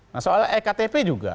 nah soal e ktp juga